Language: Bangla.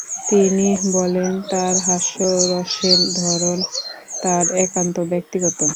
তিনি বলেন তার হাস্যরসের ধরন তার একান্ত ব্যক্তিগত।